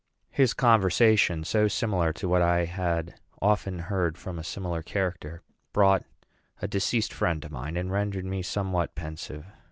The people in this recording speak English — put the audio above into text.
His conversation, so similar to what I had often heard from a similar character, brought a deceased friend to mind, and rendered me somewhat pensive.